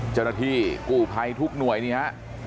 เจ้าหน้าที่กู้ภัยทุกหน่วยนี่ฮะ